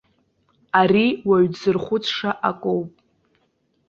Ари уаҩ дзырхәыцша акоуп.